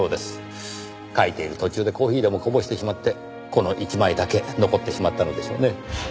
書いている途中でコーヒーでもこぼしてしまってこの１枚だけ残ってしまったのでしょうねぇ。